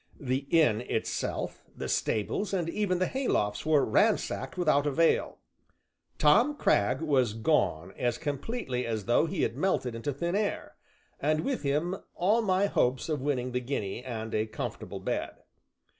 The inn itself, the stables, and even the haylofts were ransacked without avail. Tom Cragg was gone as completely as though he had melted into thin air, and with him all my hopes of winning the guinea and a comfortable bed.